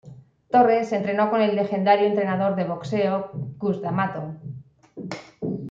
Torres entrenó con el legendario entrenador de boxeo Cus D'Amato.